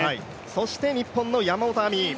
そして日本の山本亜美。